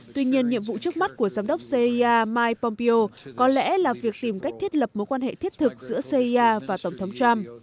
tuy nhiên nhiệm vụ trước mắt của giám đốc cia mike pompeo có lẽ là việc tìm cách thiết lập mối quan hệ thiết thực giữa cia và tổng thống trump